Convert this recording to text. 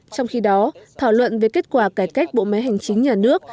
trong khi đó thảo luận về kết quả cải cách bộ máy hành chính nhà nước